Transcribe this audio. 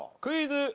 クイズ。